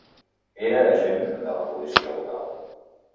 Era agent de la policia local.